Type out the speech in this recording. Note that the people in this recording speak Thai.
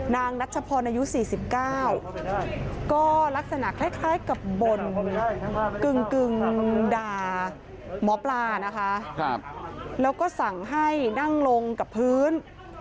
นัชพรอายุ๔๙ก็ลักษณะคล้ายกับบ่นกึ่งด่าหมอปลานะคะแล้วก็สั่งให้นั่งลงกับพื้น